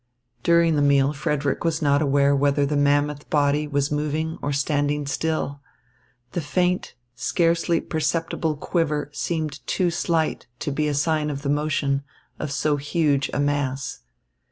During the meal Frederick was not aware whether the mammoth body was moving or standing still. The faint, scarcely perceptible quiver seemed too slight to be a sign of the motion of so huge a mass.